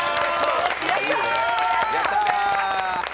やったー！